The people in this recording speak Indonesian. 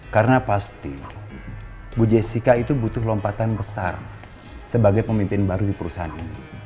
karena pasti bu jessica itu butuh lompatan besar sebagai pemimpin baru di perusahaan ini